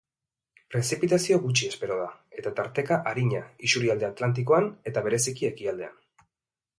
Prezipitazio gutxi espero da, eta tarteka arina isurialde atlantikoan eta bereziki ekialdean.